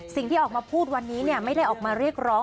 สิ่งที่ออกมาพูดวันนี้ไม่ได้ออกมาเรียกร้อง